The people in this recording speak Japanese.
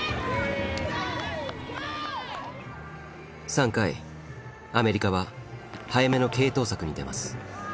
３回アメリカは早めの継投策に出ます。